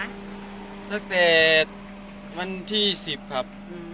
ตั้งแต่วันที่๑๐ครับ